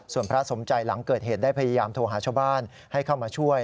ส่วนพระสมใจหลังเกิดเหตุได้พยายามโทรหาชาวบ้านให้เข้ามาช่วย